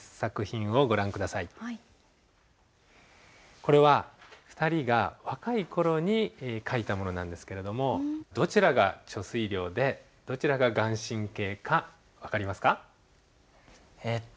これは２人が若い頃に書いたものなんですけれどもどちらが遂良でどちらが顔真か分かりまえっと